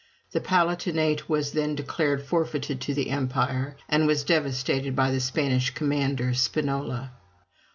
The Palatinate was then declared forfeited to the Empire, and was devastated by the Spanish commander, Spinola.